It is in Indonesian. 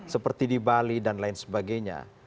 seperti di bali dan lain sebagainya